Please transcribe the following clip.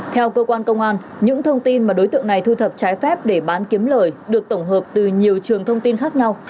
theo cơ quan công an những thông tin mà đối tượng này thu thập trái phép để bán kiếm lời được tổng hợp từ nhiều trường thông tin khác nhau